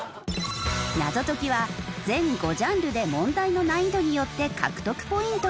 謎解きは全５ジャンルで問題の難易度によって獲得ポイントが変わります。